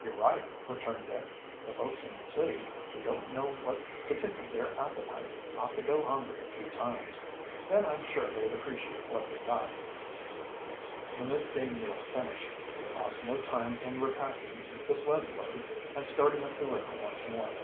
"You're right," returned Dick. "The folks in the city who don't know what to get to tickle their appetite ought to go hungry a few times. Then I'm sure they'd appreciate what they got." The midday meal finished, they lost no time in repacking the sled load and starting up the river once more.